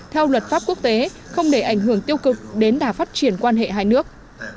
theo luật pháp quốc tế không để ảnh hưởng tiêu cực đến đà phát triển quan hệ hai nước